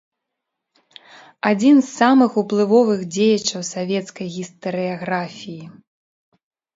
Адзін з самых уплывовых дзеячаў савецкай гістарыяграфіі.